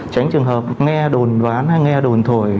tránh trường hợp nghe đồn đoán hay nghe đồn thổi